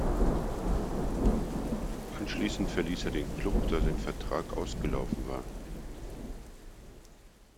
Anschließend verließ er den Klub, da sein Vertrag ausgelaufen war.